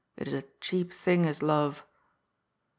It is a cheap thing, is love !